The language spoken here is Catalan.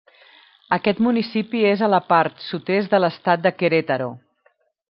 Aquest municipi és a la part sud-est de l'estat de Querétaro.